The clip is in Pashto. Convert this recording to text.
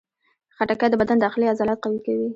خټکی د بدن داخلي عضلات قوي کوي.